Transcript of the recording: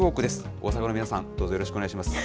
大阪の皆さん、どうぞよろしくお願いいたします。